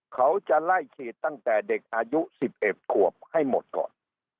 เขาจะไล่ฉีดตั้งแต่เด็กอายุ๑๑ขวบให้หมดก่อน